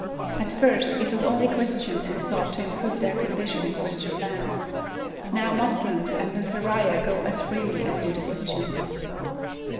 At first it was only Christians who sought to improve their condition in Christian lands; now Moslems and Nusairiyeh go as freely as do the Christians.